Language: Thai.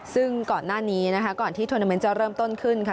ซึ่งก่อนหน้านี้นะคะก่อนที่ทวนาเมนต์จะเริ่มต้นขึ้นค่ะ